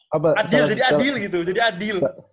jadi adil gitu jadi adil